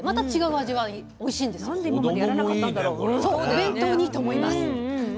お弁当にいいと思います。